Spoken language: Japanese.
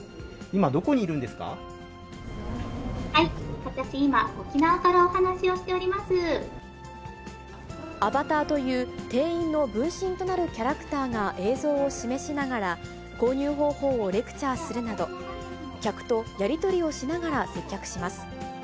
今、私今、アバターという、店員の分身となるキャラクターが映像を示しながら、購入方法をレクチャーするなど、客とやり取りをしながら接客します。